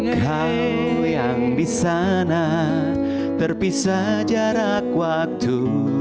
kau yang disana terpisah jarak waktu